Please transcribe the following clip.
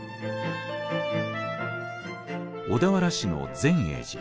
小田原市の善栄寺。